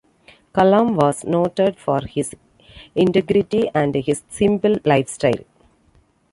Kalam was noted for his integrity and his simple lifestyle.